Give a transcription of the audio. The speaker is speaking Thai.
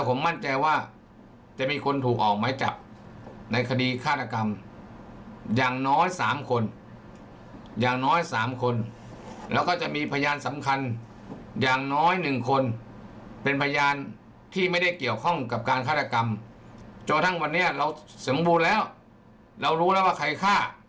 กรรมจนทั้งวันเนี้ยเราสมบูรณ์แล้วเรารู้แล้วว่าใครฆ่า